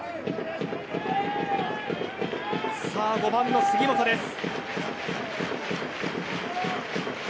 さあ、５番の杉本です。